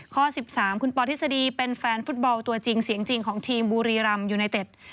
ข้อ๑๓คุณปอทฤษฎีเป็นแฟนฟุตบอลตัวจริงเสียงจริงของทีมบุรีรำยูไนเต็ด